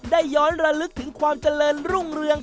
ได้ย้อนระลึกถึงความเจริญรุ่งเรือง